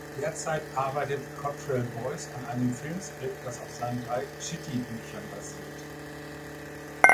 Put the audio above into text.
Derzeit arbeitet Cottrell Boyce an einem Filmskript, das auf seinen drei "Tschitty"-Büchern basiert.